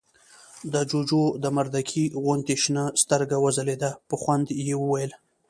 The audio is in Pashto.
د جُوجُو د مردکۍ غوندې شنه سترګه وځلېده، په خوند يې وويل: